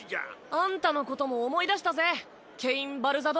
あんたのことも思い出したぜケイン＝バルザド。